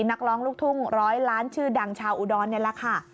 นักร้องลูกทุ่งร้อยล้านชื่อดังชาวอุดรนี่แหละค่ะ